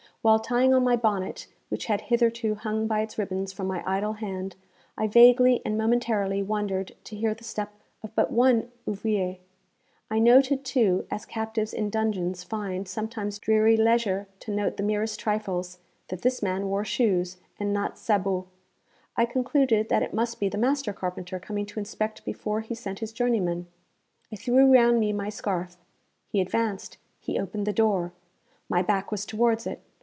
While tying on my bonnet, which had hitherto hung by its ribbons from my idle hand, I vaguely and momentarily wondered to hear the step of but one ouvrier. I noted, too as captives in dungeons find sometimes dreary leisure to note the merest trifles that this man wore shoes, and not sabots. I concluded that it must be the master carpenter coming to inspect before he sent his journeymen. I threw round me my scarf. He advanced; he opened the door. My back was towards it.